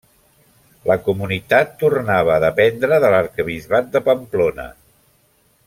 La comunitat tornava a dependre de l'arquebisbat de Pamplona.